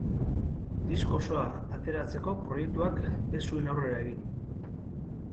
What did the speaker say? Disko osoa ateratzeko proiektuak ez zuen aurrera egin.